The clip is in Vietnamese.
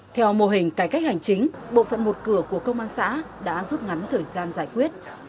theo mô hình cải cách hành chính bộ phận một cửa của công an xã đã rút ngắn thời gian giải quyết